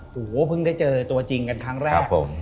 โอ้โหเพิ่งได้เจอตัวจริงกันครั้งแรก